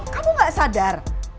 kamu gak sadar